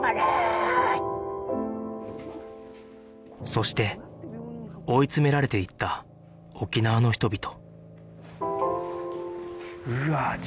そして追い詰められていった沖縄の人々